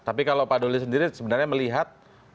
tapi kalau pak doli sendiri sebenarnya melihat